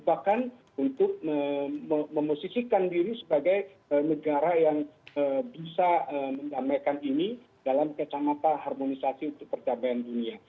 bahkan untuk memosisikan diri sebagai negara yang bisa mendamaikan ini dalam kacamata harmonisasi untuk perdamaian dunia